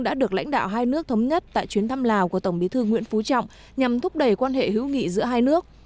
đã được lãnh đạo hai nước thống nhất tại chuyến thăm lào của tổng bí thư nguyễn phú trọng nhằm thúc đẩy quan hệ hữu nghị giữa hai nước